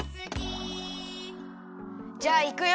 じゃあいくよ！